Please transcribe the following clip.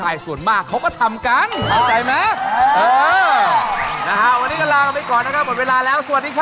หมดเวลา